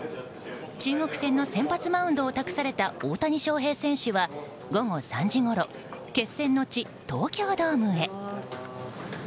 中国戦の先発マウンドを託された大谷翔平選手は午後３時ごろ、決選の地東京ドームへ。